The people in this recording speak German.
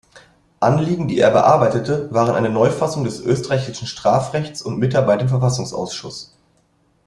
Anliegen, die er bearbeitete, waren eine Neufassung des österreichischen Strafrechtes und Mitarbeit im Verfassungsausschuss.